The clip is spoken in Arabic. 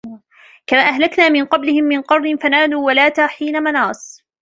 كم أهلكنا من قبلهم من قرن فنادوا ولات حين مناص